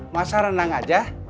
masak renang aja